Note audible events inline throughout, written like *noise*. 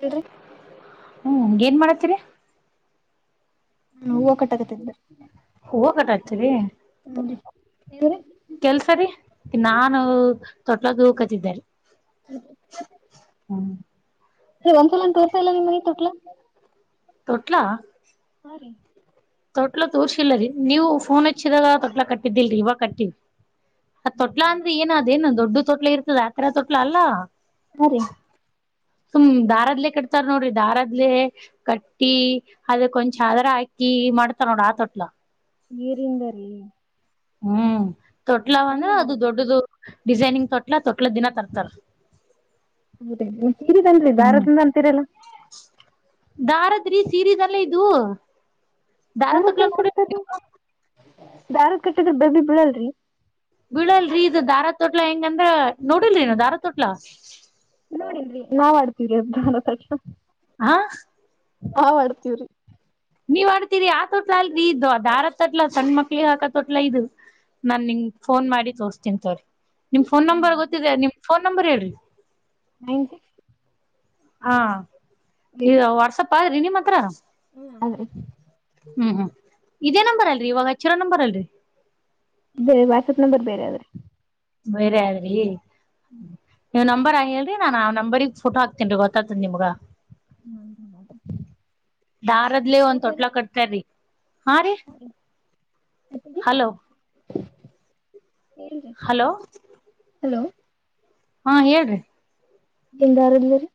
ಹೇಳ್ರಿ ಹ್ಮ್ ಏನ್ ಮಾಡತೀರಿ ಹ್ಮ ಹೂವು ಕಟ್ಟಕತ್ರ ಹೂವು ಕಟತರಿ ಹ್ಮ್ರಿ ನೀವ್ರಿ ಕೆಲ್ಸರಿೀ ನಾನು ತೊಟ್ಲೂ ಕತಿದ್ದಿದ್ದಾರೆ ಹ ಹ್ಮ್ ಒಂದ್ಸಲ ತೋಸ ಎಲ್ಲ ನೀ ಮನೆ ತುಟ್ಲ ತೊಟ್ಲ ಹ ರೀ ತೊಟ್ಲ ತೋರ್ಸಿಲ್ಲರೀ ನೀವು ಫೋನ್ ಹಚ್ಚಿದಾಗ ತೊಟ್ಲ ಕಟ್ಟಿದ್ದಿಲ್ರರಿ ಇವಾಗ ಕಟ್ಟಿವಿ ಆ ತೊಟ್ಲ ಅಂದ್ರೆ ಏನ ಅದೇನು ದೊಡ್ಡ ತೊಟ್ಲ ಇರ್ತದ ಆತರ ತೊಟ್ಲ ಅಲ್ಲಾ ಅ ರೀ ಹ ಹ್ಮ್ ದಾರದ್ಲೆ ಕಟ್ತಾರ ನೋಡ್ರಿ ದಾರದ್ಲೆ ಕಟ್ಟಿ ಅದ ಕೊಂಚದ್ರ ಹಾಕಿ ಮಡತನೋಡ ಆತೊಟ್ಲ ಏರಿಂದರ ಹ್ಮ್ ತೊಟ್ಲವ ನ ಅದು ದೊಡ್ಡದು ಡಿಸೈನಿಂಗ್ ತೊಟ್ಲ ತೊಟ್ಲ ದಿನ ತರ್ತರ್ ಹೌದ ನೀ ತೀರಿಿದನ್ರಿ ಬಾರದಿಂದ ಅಂತೀರಲ್ಲಾ ದಾರದ್ರಿ ಸೀರೀಸ್ ಎಲ್ಲ ಇದು ದಾರ ದಾರದ ತೊಟ್ಲ ನ್ ನೋಡಿರ ನೀವು ಕಟ್ತಾರರಿ ದಾರ ಕಟ್ಟಿದ್ರ ಬಬಿ ಬಿೀಳಲ್ರಿ ಬೀಳಲ್ರಿ ಇದು ದಾರಾ ತೋಟ್ಲ ಹೆಂಗಂದ್ರ ನೋಡಿಲ್ರಿ ನ ದಾರಾ ತೋಟ್ಲಾ ಿ ನಾವ್ ಆಡ್ತೀವರಿ ಅದ ಸ್ಲ್ಪ ಹಾ ಹಾ ಮಾಡಡ್ತವ್ರಿ ನೀವ್ ಆಡ್ತೀರಿ ಆ ತೋಟ್ಲ ಅಲ್ರೀ ಇದದು್ ಅ ದಾರ ತಟ್ಲಾ ಸಣ ಮಕ್ಳಿಗೆಗ್ ಹಾಕ ತೋಟ್ಲ ಇದು ನಾ ನಿಂಗ ಫೋನ್ ಮಾಡಿ ತೋರ್ತಿನ್ಂತವ್ರೀ ನಿಮ ಫೋನ್ ನಂಬರ್ ಗೊತ್ತಿದೆ ನಿಮ್ ಫೋನ್ ನಂಬರ್ ಹೇಳ್ರಿ ನಗೆ ಹಾ ಈಗ ವಾಟ್ಸಪ್ ಆದಗ್ರಿ ನಿಮ್ಮ ಹತ್ರ ಹ್ಮ್ ಅದ ಹ್ಮ್ ಹ್ಮ್ ಇದೇ ನಂಬರ್ ಅಲ್ರರಿ ಇವಾಗ ಹೆಚ್ಚಿರೋ ನಂಬರ್ ಅಲ್ರರಿ ಬೇರೆ ವಾಟ್ಸಪ್ ನಂಬರ್ ಬೇರೆ ಆದ್ರೆ ಬೇರೆ ಆದ್ರಿ ನೀವು ನಂಬರ್ ಹೇಳಿ ನಾನ್ ಆ ನಂಬರ್ ೋಟೋ ಹಾಕ್ತೀನ್ಿೀ ಗೊತ್ತತದ ನಿಮಗ ದಾರದ್ಲ ಒಂದ ಊಟ ರೀ ತೋಟ್ಲ ಕಟ್ತಾರಿ ಹಾ ರೀ ಅತ್ತಿಗೆ ಹಲೋ ಹೇಳ್ರಿ ಹಲೋ ಹಲೋ ಹಾ ಹೇಳ್ರಿ *unintelligible* ಎಂದಾರಲ್ಲರೆ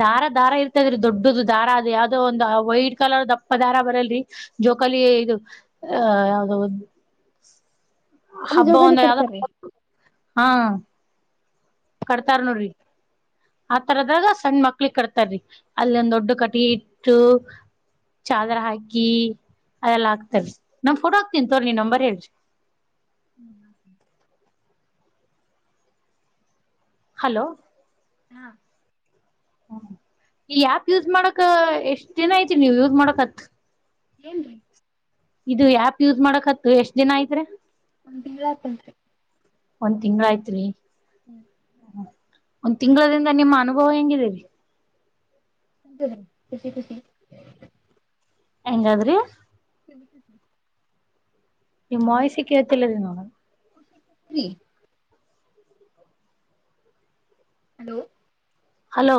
ದಾರ ದಾರ ಇರ್ತದ್ರಿ ದೊಡ್ಡದು ದಾರ ಅದು ಯಾವ್ದೋ ಒಂದು ವೈಟ್ ಕಲರ್ ದಪ್ಪ ದಾರ ಬರಲ್ರಿ ಜೋಕಾಲಿ ಇದು ಅ ಯಾವುದೋ ಒಂದು ಅಂದ್ ಜೋಗಾಲಿ ಕಟ್ತಾರೀ ಹಾ ಕಡ್ತಾರ್ ನೋಡ್ರಿ ಆತರದಾಗ ಸಣ್ ಮಕ್ ಹಕ್ಲಿ ಕಟ್ತಾರಿ ಅಲ್ಲೊಂದ್ ದೊಡ್ಡ ಕಟ್ಗಿ ಇತ್ತು ಚಾಲ ಹಾಕಿ ಅದೆಲ್ಲ ಆಗ್ತಾರಿ ನಮ್ ಕೊಡೋಗ್ಕ್ತಿರ್ ತೋರಿ ನೀ ನಂಬರ್ ಹೇಳ್ರಿ ಹ್ಮ ಹಲೋ ಹಾ ಹ ಈ ಆಪ್ ಯೂಸ್ ಕೇಳ್ತದ್ರಿ ಮಾಡಕ ಎಷ್ಟ್ ದಿನ ಐತಿ ನೀವ್ ಯೂಸ್ ಮಾಡಕತ್ ಏನ್ರಿ ಇದು ಯಪ್ ಯೂಸ್ ಮಾಡಕತ್ ಎಷ್ಟ್ ದಿನ ಆಯತ್ರಿ ಒಂದು ತಿಂಗ್ಲ್ ಆಯ್ತೇನ್ರೀ ಒಂದ್ ತಿಂಗ್ಲ್ ಆಯ್ತ್ರಿ ಹ್ಮ್ ಒಂದ್ ತಿಂಗಳದಿಂದ ನಿಮ್ಮ ಅನುಭವ ಹೆಂಗಿದೀರಿ *unintelligible* ಹ ಸ ಖುಷ ಹೆಂಗಾದ್ರಿ *unintelligible* ಸರಿ ನಿಮ್ ವಾಯ್ಸ್ ಕೇಳ್ತಿಲ್ಲ *unintelligible* ನೋಡ ರಿ ಹಲೋ ಹಲೋ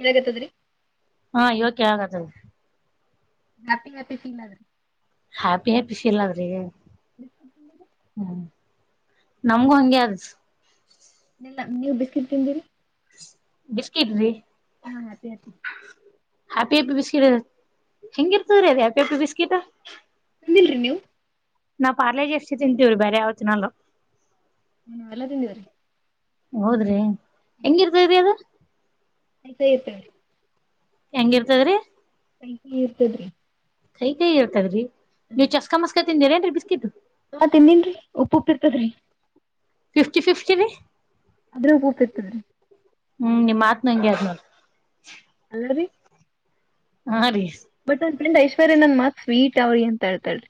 ಏನಾಗತ್ತದ್ರರಿ ಹಾ ಇವಾಗ್ ಕೇಳಾಕತಾದ್ರಿ ಹ್ಯಾಪಿ ಹ್ಯಾಪಿ ಸೀನ್ ಅದ್ ಹ್ಯಾಪಿ ಹ್ಯಾಪಿ ಸಿಲಾದ್ರಿ ಹ್ಮ್ ನಮಗೂ ಹಂಗೆ ಅದ ಇಲ್ಲ ನೀವು ಬಿಸ್ಕಟ್ ತಿಂದಿರಿ ಬಿಸ್ಕಿಟ್ ರೀ ಹಾ ಹ್ಯಾಪಿ ಹ್ಯಾಪಿ ಹ್ಯಾಪಿ ಹಪಿ ಬಿಸ್ಕಿಟ್ ಹೆಂಗ್ ಇರ್ತದ್ರಿ ಅದ ಹ್ಯಾಪಿಹ್ಯಾಪಿ ಬಿಸ್ಕಿಟ್ ತಿಂದಿಲ್ರಿ ನೀವು *unintelligible* ನಾ ಪಾರ್ಜ್ ಎಷ್ಟು ತಿಂತೀವೀ ಬೇರೆ ಯವತ್ತಿನಲ್ಲ ಹ್ಮ್ ಎಲ್ಲ ತಿದಿವರೀ ಹೌದ್ರಿ ಹೆಂಗಿರ್ತವ್ರಿ ಅದು *unintelligible* ಸ ಇತ ಹೆಂಗಿರ್ತದ್ರಿ ಕೈ ಕಹಿ ಇರ್ತದ್ರಿ ಕೈ ಕೈ ಇರ್ತದ್ರೀ ನೀವು ಚಸ್ಕ ಮಸ್ಕ ತಿಂದಿರೇನ್ರಿ ಬಿಸ್ಕಿಟ್ ಹಾ ತಿನ್ನಿನ್ರಿ ಉಪ್ಪುಉಪ್ ಇರ್ತದ್ರಿ ಫಿಫ್ಟಿ ಫಿಫ್ಟಿ ರಿ ಅದ್ರೂ ಉಪ್ಪುಪ್ ಇರ್ತದ್ರಿ ಹ್ಮ್ ನಿಮ್ಮ್ ಮಾತ್ ನಂಗೆ ಅದ್ ನೋಡ್ *unintelligible* ಹ ಹಾ ರೀ ಬಟ್ ಒಂದ್ ಫ್ರೆಂಡ್ ಐಶ್ವರ್ಯ ನನ್ ಮಾತ್ ಸ್ವೀಟ್ ಅವಿ ಅಂತ ಹೇಳ್ತಾರಿ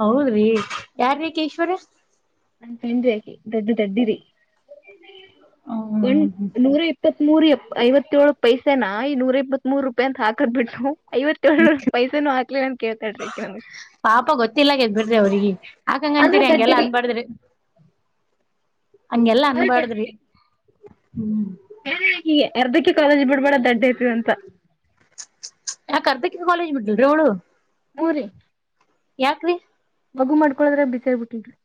ಹೌದ್ರಿ ಯಾರಿಕಿ ಐಶ್ವರ್ಯ ಅ ತಿಿಂದಿ ಯಾಕಿ ದೊಡ್ಡ ದೊಡ್ಡಿರಿ ಒಂದ್ ಹ್ಮ್ ನೂರ ಇಪ್ಪ. ಇಪ್ಪತ್ತ್ೂರುಪ್ಪ ಐವತ್ತೇಳು ಪೈಸೇನಾ ಈ ನೂರ ಇಪ್ಪತ್ ಮೂರು ರೂಪಾಯಿ ಅಂತ ಹಾಕೋದು ಬಿಡು ಐವತ್ತೇಳು ಪೈಸನೂ ಹಾಕ್ಲಿ ನನ್ ಕೇಳ್ತಾಡ್ರಿ ನನ್ಗ್. ಅವಿ ಹಕಾಂಗ ಅಂತಾ ಇರಿ ಹಂಗೆಲ್ಲಾ ಅನ್ಬಾರಡ್ದ್ರಿ ಆ ಅನ್ಬಾರ್ದ್ರಿ ಹೀಗೆ ಹ್ಮ್ *unintelligible* ಎರ್ದಕ್ಕೆ ಕಾಲೇಜ್ ಬಿಡ್ಬೇಡ ದಡ್ಡ ಐತಿವ ಅಂತ. ಯಕ ಅಂತ ಕಾಲೇಜ ಬಿಟ್ಟು ದು ಹೇಳು. ಹು ರೀ. ಯಾಕ್ರಿ. ಮಗು ಮಾಡ್ಕೊಳದ್ರ ಬ್ಯುಸಿ ಆಗಿಬಿಟ್ಟಿದೀರಿ.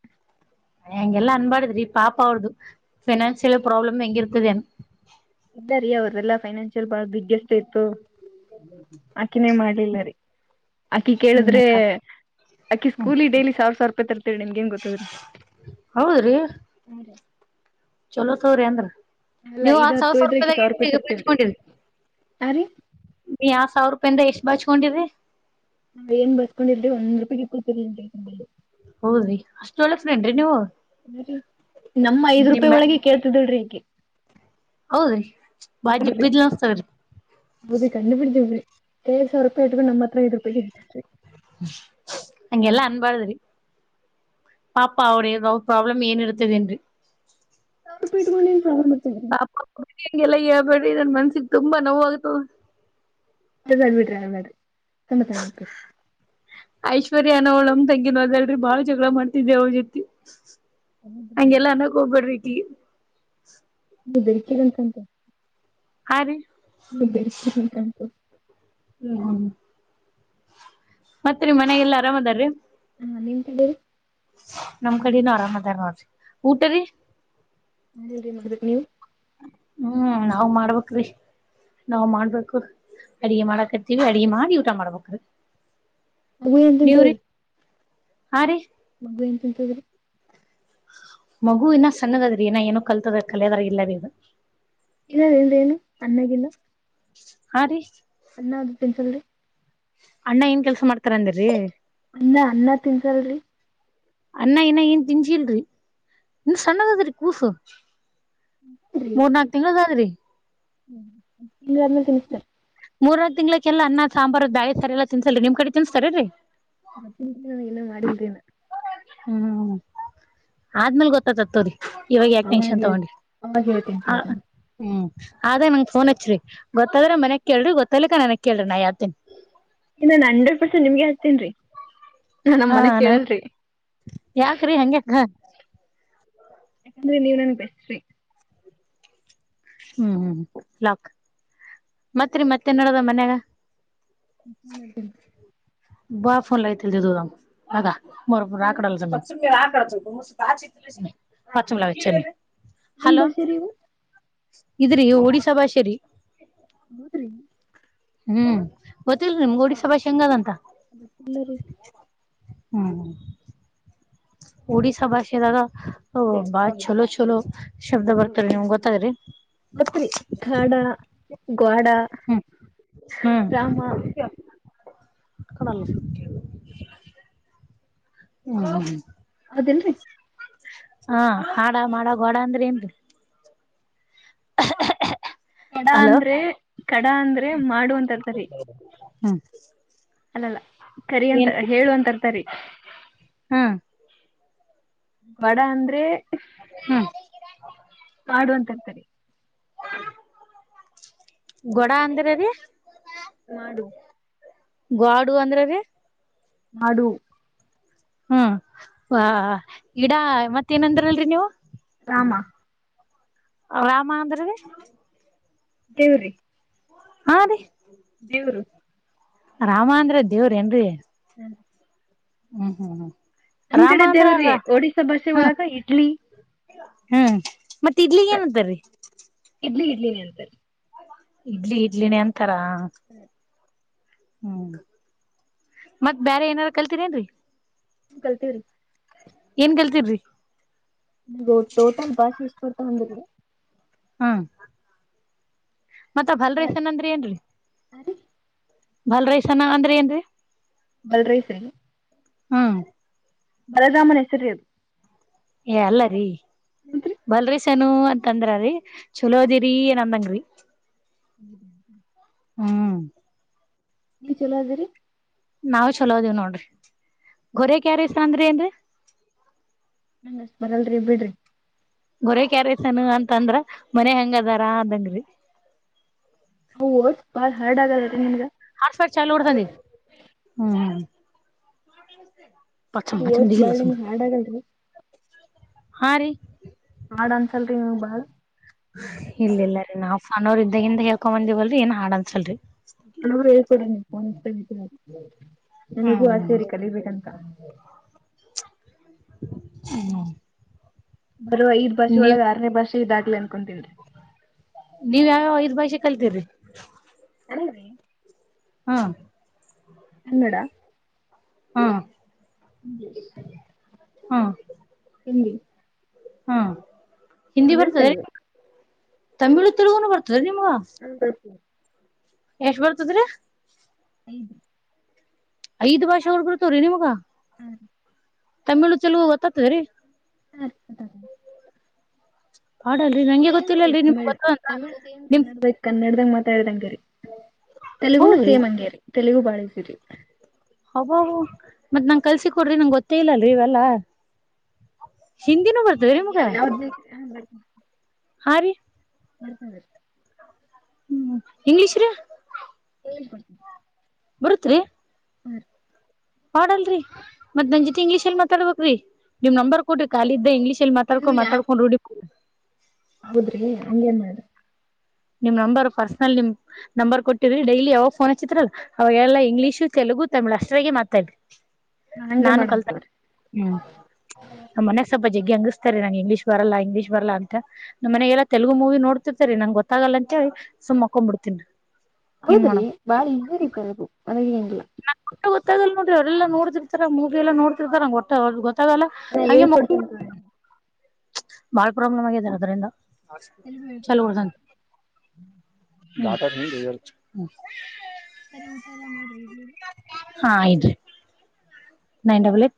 ಹೆಂಗೆಲ್ಲ ಅನ್ಬಾಡಿದ್ರಿ ಪಾಪ ಅವ್ರ್ದು ಫಿನನ್ಸಿಯಲ್ ಪ್ರಾಬ್ಲಮ್ ಹೆಂಗಿರ್ತದೇಏನು. ಇದ್ದಾರಿೀ ಅವ್ರಲ್ಲಾ ಫೈನಾನ್ಷಿಯಲ್ ಬಾಳ ಬಿಗ್ಗೆಸ್ಟ್ ಇರ್ತಿತ್ತು. ಅಕ್ಕೇ ಮಾಡ್ಲಿಲ್ಲ ರೀ ಅಕ್ಕಿ ಹ್ಮ್ ಕೇಳಿದ್ರೆ ಅಕ್ಕಿ ಹ್ಮ್ ಸ್ಕೂಲಿ ಡೈಲಿ ಸಾವಿರ ಸಾವಿರ ರೂಪಾಯಿ ತ. ನಿಮಗೆ ಗ ಗೊತ್ತದ್ರಿ. ಹೌದ್ರಿ ಚಲೋ ಸೌರಿ್ಅಂದ್ರ. ಅಲ್ಲ ನೀವು ಇದ್ ಆತ್ ಸಾವಿಸ ಹತ್ತು ಇದ್ರೆ ಆಕಿ ಸಾವಿರ ರೂಪಾಯಿ ರೂಪಾಯಿದಾಗ ತರ್ತೇಳ್ರಿ ಹಚ್ಕೊಂಡಿದರಿ ಆ ರೀ ನೀ. ಸಾವಿರ ರೂಪಾಯಿಂದ ಎಷ್ಟ್ ಬಾಚ್ಕೊಂಡಿ್ರರಿ. ನಾವ್ ಏನ್ ಬರ್ಕೊಂದ್ರಿ ಒನ್ ಒನ್ ರೂಪಾಯಿ ಕೀತ್ ಕೋತೀನಿ. ಹೌದ್ರಿ ಅಷ್ಟ ಒಳಕ್ದೇನ್ರಿ ನೀವು. ನಮ್ಮ ಐದ್ ರೂಪಾಯಿ ಒಳಗೆ ಕೇಳ್ತಿದಲ್ೀ ಈಗೆ. ಹೌದೀ ಬಾಜ್ ಬಜ್ಲಸ್ತಗ್ರೀ. ಏಳು ಸಾವಿರ ರೂಪಾಯಿ ಇಟ್ಕೊಂಡ ನಮ್ಮ ಹತ್ರಇದೆ ಬಿಡಿ. ಅಂಗ ಎಲ್ಲಾ ಅನ್ಬಾರ್ದರಿ. ಪಾಪಾ ಅವರ ಪ್ರಾಬ್ಲಂ ಏನ್ ಇತದೆನ್. ಸಾವರ್ ಪೀಟ್ ಮಾಡನ್ ಸಾವರ್ ಮಟ್ಟರಿ. ಹೆಂಗೆಲ್ಲ ಹಳ್ಬೇಡ್ರ ನನ್ ಮನ್ಸಿಿಗೆ ತುಂಬಾ ನೋವ ಆಗ್ತದೆ. ಮಟ್ರೆ ತಮ್ಮಸ *unintelligible* ಐಶ್ವರ್ಯಾನ ಅವಳಮ್ಮ್ ತಂಗಿಿನ ಅದಲ್ರಿ ಬಾಳ ಜಗಳ ಮಾಡ್ತಿದ್ದ ಅವ್ರ ಜೊತೆ. ಹಂಗೆಲ್ಲ ಅನ್ನಕ್ ಹೋಗ್ಬಿಡ್್ರಿಕಿ. ಹ ಬೆರ್ಕಿಿದಂತಂತೆ. ಹಾ ರೀ. ನೀ ಬೆಡ್ಕಿರ್ಬೇಕಟು. ಹ್ಮ್ ಹ್ಮ್. ಮತ್ರಿ ಮನೆಗೆಲ್ಲಾ ಅರಾಮ ಅದಾರ್ರೀ. ಹಾ ನಿನ್ ಕಡ. ನಮ್ ಕಡನು ಆರಾಮ್ ಅದಾರಿ ಊಟ ರೀ. ನನ್ ಎಲ್ರಿೀ ಮಾಡಬೇಕ ನೀವು. ಹ್ಮ್ ನಾವು ಮಾಡ್ಬೇಕ್ ರೀ. ನಾವವು ಮಾಡ್ಬೇಕು ಅಡಿಗೆ ಮಾಡ ಕತಿೀವಿ ಅಡಗೆ ಮಾಡಿ ಊಟ ಮಾಡ್ಬೇಕ್ರ. ಹವು ಎನ್ ತಿಂತದೆ. ಹಾ ರೀ. ಮಗ ಎಂತಂತದ್ರ. ಮಗು ಇನ್ನ ಸಣ್ಣದದ್ರಿ ಏನ ಏನೋ ಕಲ್ತದ ಕಲಿಯದಾರ ಇಲ್ಲ ಬಿೇ ಅಗ. ಇಲ್ಲ ನಿ್ದೇನು ಅನ್ನಗಿಲ್ಲ. ಹಾ ರೀ. ಅನ್ನ ಅದು ತಿನ್ಸಲ್ರಿ. ಅಣ್ಣ ಏನ್ ಕೆಲ್ಸ ಮಾಡ್ತಾರಂದ್ರರಿ. ಅನ್ನ ಅನ್ನ ತಿನ್ಸಾಅಲ್ಲರೀ. ಅ್ಣ ಇನ ಏನ್ ತಿನ್ಚಿಲ್ರಿ ಇನ್ ಸಣ್ಣದದ್ರಿ ಕೂಸು ಮೂರ್ನಾಾಕ್ ತಿಂಗಂಳದ ಆದ್ರಿ. ತಿಾದ್ಮ ತಿಮಿಸ್ತಾರೆ ಮೂರದ್ ತಿಂಗಳಕ್ಕೆಲ್ಲ ಅನ್ನ ಸಾಂಬಾರು ಬಾಿ ಸಾರಿ ಎಲ್ಲಾ ತಿನ್ಸಲ್ರಿ ನಿಮ್ ಕಡೆ ತಿನ್ಸ್ತಾರರರಿ ಮತ್ತ ನನಗ ನ ಮಾಡಿಲ್ರಿೇನ ಹ್ಮ್ ಆದ್ಮೇಲ್ ಗೊತ್ತತತ್ತೋರಿ ಇವಾಗ ಯಾಕೆ ಅವಾಗ ಟೆನ್ಕ್ಷನ್ ಹೇಳ್ ತಗೊಂಡಿ ಅವಾಗ ಹೇಳ್ತೇನ್ ಹ ತಗೋರಿ ನಾ ಹ್ಮ್ ಆದ ನಂಗ್ ಫೋನ್ ಹಚ್ಚ್ರರಿ ಗೊತ್ತಾದ್ರೆ ಮನ್ಯಗ್ ಕೇಳ್ರಿ ಗೊತ್ತಲಿಕ್ಕ ನನಗ್ ಕೇಳಿ ನಾ ಯಾವ್ದ ಇನ್ನನ್ ಹಂಡ್ರೆಡ್ ಪರ್ಸೆಂಟ್ ನಿಮ್ಗೆ ಹಕ್ತೇನ್ೀ ಹಾ ನನ್ ಯಾಕ್ರಿ ಹಗೆ ಯಾಕಂದ್ರೆ ನೀವ್ ನನ್ ಬೆಸ್ರಿ ಹ್ಮ್ ಹ್ಮ್ ಲಾಕ್ ಮತ್ರಿ ಮತ್ತೆ ನೋಡದ ಮನ್ಯಾಗ ಹ್ಮ ಬಾಫನ್ ಲ ಇತಿ ದ ದದುದಾಮ ಅಗ ಬರಬ ಆಕಡಲ್ಲ ಜಮ ಚಮಲ ಹೆಂಗ್ ಬರ್ಸೀರಿ ಇವು ಇದ್ರಿ ಒಡಿಸಾ ಭಾಷೆರಿ ಹತ್ರೀ ಹ್ಮ್ ಗೊತ್ತಿಲ್ರಿ ನಿಮ್ಗೆ ಗೋಡಿ ಸಭಾಷ್ ಹೆಂಗ ಅದಂತ ಮತ್ತಿಲ್ಲಾರೆ ಹ್ಮ್ ಹ್ಮ ಒಡಿಸ್ಾ ಭಾಷೆದಾಗ ಬಾ ಚಲೋ ಛಲೋ ಶಬ್ದ ಬರ್ತಾರೆ ನಿಮ್ ಗೊತ್ತಾದ್ರಿ ಮತ್ರಿ ಕಖಾಡ ಕ್ವಾಡಾ ಹ್ಮ್ ಗಾಮ ಹ್ಮ ಅದೇನ್ರರಿ ಹಾ ಹಾಡ ಮಾಡೋಡ ಅಂದ್ರೆ ಏನ್ ಹ ಕಡ ಅಂದ್ರೆ ಕಡ ಅಂದ್ರೆ ಮಾಡುವ ಅಂತರ್ತರಿ ಹ್ಮ್ ಅಲ್ಲಲ್ಲ ಕರಿ ಅಂತ ಹೇಳುವ ಅಂತರ್ತರಿ ಹಾ ಬಡ ಅಂದ್ರೆ ಹ್ಮ್ ಮಾಡುವಂತರ್ತಾರೆ ಗೋಡ ಅಂದರ ರೀ ಮಾಡು ಗಾಡು ಅಂದ್ರ ರ ನಾಡು ಹ್ಮ್ ವಾ ಗಿಡಾ ಮತ್ತೇಏನಂದ್ರಲ್ರರಿ ನೀವು ಆಾ ರಾಮಾಂದ್ರದ ದೇವ್ರಿ ಹಾ ರೀ ದೇವರು ರಾಮ ಅಂದ್ರೆ ದೇವ್ರ ಏನ್ರಿ ಹ್ಮ್ ಹ್ಮ್ ಹ್ಮ್ ನಮ್ ರಾಮ ಕಡೆ ಅಂದ್ರ ದೇವ್ರಿ ಒಡಿಸಶಾ ಭಾಷೆ ಹಾ ಒಳಗ ಇಡ್ಲಿ ಹ್ಮ್ ಮತ್ತೆ ಇಡ್ಲಿಗ ಏನಂತಾರರಿ ಇನೆ ಅಂತಾರೆ ಇಡ್ಲಿ ಇಡ್ಲಿನೇ ಅಂತಾರ ಹ್ಮ್ ಮತ್ ಬೇರೆ ಏನಾರ ಕಲ್ತೀರ ಏನ್ರಿ ನಿ ಕಲ್ತ ರೀ ಏನ್ ಕಲ್ತಿದ್ರಿ *inaudible* ನಿಮದು ಟೋಟಲ್ ಭಾಷೆ ಎಷ್ಟ ಬಡ್ತಾ ಬಂದ್ರೀ ಹ್ಮ್ ಮತ್ತ ಭಲ್ ರೈಸನ್ ಅಂದ್ರ ಏನ್ರಿ ಭಲ್ರಸನ ಅಂದ್ರ ಏನ್ರೀ *inaudible* ಬಲ್ರೈಸರಿ *unintelligible* ಹ್ಮ್ ಬರರಾಮನ್ ಹೆಸರಿರು *unintelligible* ಏ ಅಲ್ಲರಿೀ ಬಲ್ರಿೀ *unintelligible* ನು ಅಂತಂದ್ರದೀ ಚಲೋದಿರಿಏ ನಂದಂಗ್ರಿ ಹ್ಮ್ ಹ್ಮ್ ನೀವು ಚಲೋ ಅದಿರಿ ನಾವವು್ ಚಲೋದೇವ್ ನೋಡ್ರಿ ಗೊರೆಕ್ ಯಾರ ಇಸ್ರ ಅಂದ್ರಿ ಏನ್ ನನ್ಷ್ಟ ಬರಲ್ರಿ ಬಿಡ್ರಿ *unintelligible* ಗೊರೆ ಕ್ಯಾರಸನು ಅಂತಂದ್ರ ಮನೆ ಹೆಂಗ ಅದಾರ ಅದಂಗ್ರಿ ಹಓ ಬಾ ಹಾರ್ಡ್ ಆಗದತ್ತೆ ನಿಮ್ಗ *unintelligible* ಹಫರ್ ಚಲು ಉಡ್ತಿ ಹ್ಮ್ ಆ ಪಾಮ ಪಮ ವರ್ಡ್ಸ್ ದ ಬಾಳ ಗಲ್ಲ ಸಂದ ನಿಮ್ಗ್ ಹಾರ್ಡ್ ಆಗಲ್ರಿ ಹಾ ರೀ *unintelligible* ಮಾಡಾ ಅನ್ಸಲ್ರಿ ನೀವ ಬಾಳ್ ಇಲ್ಲ ಇಿಲ್ಲ ರೀ ನ ಹಾಫ್ ಅನ್ ಅವರ್ ಇದ್ದ ಹಿಂದ ಹೇಳ್ಕೊ ಬಂದಿವವಲ್ರಿ ಏನ್ ಹಾಡನ್ಸಲ್ರರಿ ನಾನರು ಹೇಳ್ ಕೊಡನೆ *unintelligible* ನನಗೂ ಆಸೆ ಹ್ಮ್ ರೀ ಕಲಿಬೇಕಂತ *inaudible* ಹ್ಮ್ ಹ *unintelligible* ಬರುವಐ್ ಭಾಷೆ ಒಳಗ್ ಆರನೇ ಭಾಷೆ ಇದಾಗ್ಲಿ ಅನ್ಕೊಂತನ್ ನೀವ್ ಯಾವ್ಯಾವ ಐದ್ ಭಾಷೆ ಕಲ್ತಿದ್ರಿ ಅೀ *unintelligible* ಹಾ ಕನ್ನಡ ಹಾ ಇಂಗ್ಲಿಷ್ ಹಾ ಹಿಂದಿ ಹ್ಮ ಹಿಂದಿ ತಮಿಳ್ ಬರ್ತದೆ ತೆಲುಗು ತಮಿಳು ತೆಲುಗುನು ಬರ್ತದೆ ನಿಮ್ಗ ಎಷ್ಟ್ ಬರ್ತದ್ರಿ ಐದು ಐದ್ ಭಾಷೆ ತೋ್ರರಿ ನಿಮಗ ಹ್ಮ್ ತಮಿಳು ತೆಲುಗು ಬರ್ತದಾರಿ ಹ ಪಾಡಲ್ರಿ ನಂಗೆ ಸೇಮ್ ರೀ ಗೊತ್ತಿಲ್ಲಲ್ರಿ ನಿಮ್ಗ್ ತಮಿಳ್ ಗೊತ್ತ ಅಂತ ತಮಿಳ್ ಸೇಮ್ ನಿಮ್ ಕನ್ನಡ ಬಕ್ ಕನ್ನಡ *unintelligible* ಮಾತಾಡಂಗರಿ ತೆಲುಗುನು ಹೌದ್ರಿ ಸೇಮ್ ಹಂಗ್ಯರಿ ತೆಲುಗು ಬಹಳ ಈಸಿ ಹಬ ಮತ್ ನಂ ಕಲ್ಸಿ ಕೊಡ್ರಿ ನಂಗೆ ಗೊತ್ತೇ ಇಲ್ಲಲ್ ಇವೆಲ್ಲ ಹಿಂದಿನೂ ಬರ್ತವೆ ರೀ ನಿಮ್ಗಾ *inaudible* ಹಾ ರೀ ಬರುತ್ತಿರಿ ಹ್ಮ್ ಇಂಗ್ಲೀಷ್ ರೀ *unintelligible* ಬರುತ್ರಿ ಹ ರಿ ಮಾಡಾಡಲ್ರರಿ ಮತ್ ನನ್್ಿ ಇಂಗ್ಲೀಷ ಅಲ್ಲಿ ಮಾತಾಡ್ಬೇಕಕ್್ರೀ ನಿಮ್ ನಂಬರ್ ಕೊಡಿ ಕಾಲ ಇದ್ದ ಇಂಗ್ಲೀಷ್ ಚಲ್ ಮಾತಡಕೊಂಡ ಮಾತಾಡ್ಕೊಂಡ ರುಡಿ *unintelligible* ಹೌದ್ರಿ ಹಂಗೇನ್ ಮಾಡ್ದ ನಿಮ್ ನಂಬರ್ ಪರ್ಸನಲ್ ನಿಮ್ ನಂಬರ್ ಕೊಟ್ಟಿದ್ರಿ ಡೈಲಿ ಯಾವಾಗ ೋನ್ ಹಚ್ಚಿದ್ರಲ್ ಅವಾಗೆಲ್ಲ ಇಂಗ್ಲಿಷ ತೆಲುಗ *unintelligible* ಅಷ್ಟ್ರಗೆ ಮಾತಾಡ್ಿ ಹಂಗೆ ನಾನು ಮಾಡಮ್ ಕಲ್ತಾನಿ ತಗೋರಿ. ಹ್ಮ್ ಮನಾಗ *unintelligible* ಜಗ್ಗಿ ಅಂಗ್ತಾರೆ ನನ್ಗೆ ಇಂಗ್ಲಿಷ್ ಬರಲ್ಲ ಇಂಗ್ಲಿಷ್ ಬರಲ್ಲ ಅಂತ ನಮ್ಮನೆಲೆಲ್ಲ ತೆಲುಗು ಮೂವಿ ನೋಡ್ತಿರ್ತಾರೆ ನನ್ಗೆ ಗೊ ಸುಮ್ಮ ಮನ್ಕೊಬಿಡ್ತೀನ ಏನ್ ಮಾಡದು ಸರಿ ತಗೋ ಅದೇನಿಲ್ಲ. ನಂಗ್ ಗೊತ್ತಗಲ್ಲ ನೋಡಿ ಅವ್ರಲ್ಲ ನೋಡ್ತಿರ್ತಾರ ಮೂವಿ ಎಲ್ಲ ನೋಡ್ತಿರ್ತಾರ *unintelligible* *unintelligible* ಬಾಳ ಪ್ರಾಬ್ಲಮ್ ಆಗಿದ್ದಾರೆ ಅದರಿಂದ *unintelligible* ಚಲೋ ಅದನ ಮಾತ ಹ *unintelligible* ಸರಿ ಊಟ ಎಲ್ಲಾ ಮಾಡ್ರಿ ಇಡ್ಲಿ ಹಾ ಇಡ್ರಿ ನೈನ್ ಡಬಲ್ ಏಟ್